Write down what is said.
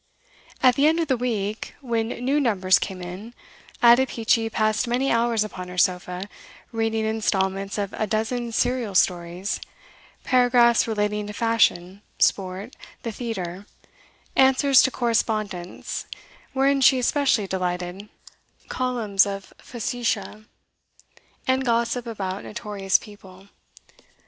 At the end of the week, when new numbers came in, Ada Peachey passed many hours upon her sofa, reading instalments of a dozen serial stories, paragraphs relating to fashion, sport, the theatre, answers to correspondents (wherein she especially delighted), columns of facetiae, and gossip about notorious people.